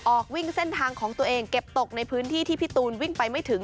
ออกวิ่งเส้นทางของตัวเองเก็บตกในพื้นที่ที่พี่ตูนวิ่งไปไม่ถึง